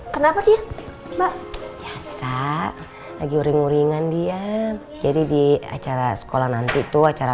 kenapa dia mbak biasa lagi uring uringan dia jadi di acara sekolah nanti tuh acara